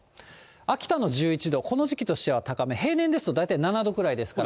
秋田の１１度、この時期としては高め、平年ですと大体７度ぐらいですから。